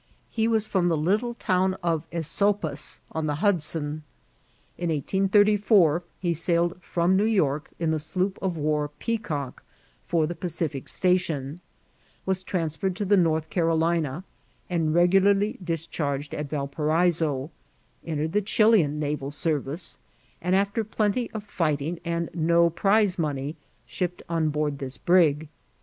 He was from the little town of Esopus, on the Hudson. In 1834 he sailed from New York in the sloop of war Peacock for the Pacific station ; was transferred to the N6rth Carolina, and regularly discharged at Valparaiso ; entered the Chilian naval service, and after plenty of fighting and no prixe money, shipped on board this brig.